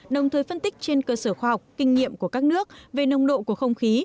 đồng thời phân tích trên cơ sở khoa học kinh nghiệm của các nước về nông độ của không khí